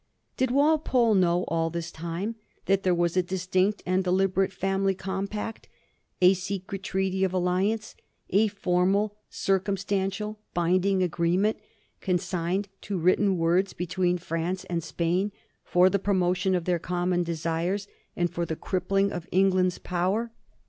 Did Walpole know all this time that there was a dis tinct and deliberate family compact, a secret treaty of al liance, a formal, circumstantial, binding agreement, con signed to written words, between France and Spain, for the promotion of their common desires and for the crip pling of England's power?